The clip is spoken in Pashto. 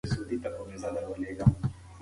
هغه طرحې چې ناکامې سوې باید له سره وکتل سي.